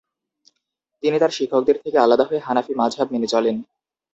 তিনি তাঁর শিক্ষকদের থেকে আলাদা হয়ে হানাফি মাযহাব মেনে চলেন ।